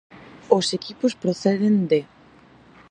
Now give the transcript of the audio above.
Os equipos proceden de: